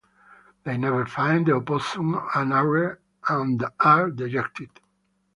They never find the opossum and are dejected.